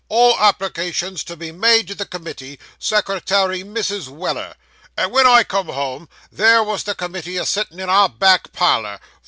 All applications to be made to the committee. Secretary, Mrs. Weller"; and when I got home there was the committee a sittin' in our back parlour.